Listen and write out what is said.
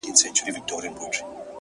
دا چي دي شعرونه د زړه جيب كي وړي ـ